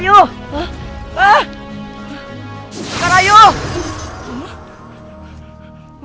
ayuh katakan narimbi